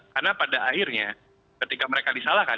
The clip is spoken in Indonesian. karena pada akhirnya ketika mereka disalahkan